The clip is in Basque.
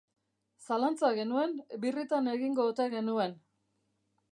Zalantza genuen birritan egingo ote genuen.